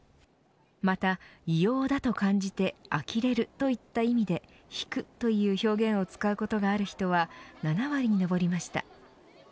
また、異様だと感じてあきれるといった意味で引くという表現を使うことがある人は７割に上りました。